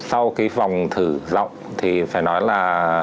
sau cái vòng thử giọng thì phải nói là